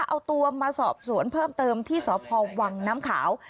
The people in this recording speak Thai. เอาตัวมาสอบสวนเพิ่มเติมที่สพวังน้ำขาว